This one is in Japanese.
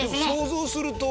想像すると。